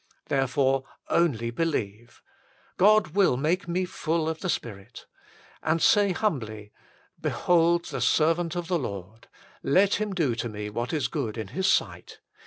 Therefore, " only believe ": God will make me full of the Spirit. And say humbly : Behold the servant of the Lord. Let Him do to me what is good in His sight.